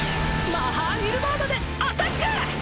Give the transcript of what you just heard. マハーニルヴァーナでアタック！